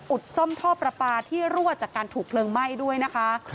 ซ่อมท่อประปาที่รั่วจากการถูกเพลิงไหม้ด้วยนะคะ